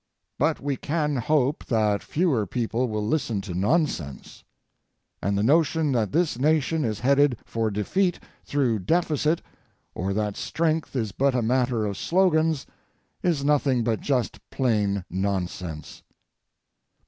But we can hope that fewer people will listen to nonsense. And the notion that this Nation is headed for defeat through deficit, or that strength is but a matter of slogans, is nothing but just plain nonsense.